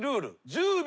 １０秒。